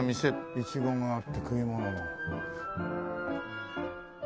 イチゴがあって食い物も。